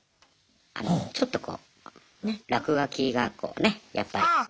あのちょっとこう落書きがこうねやっぱり。